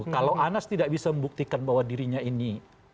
kalau anas tidak bisa membuktikan bahwa dirinya ini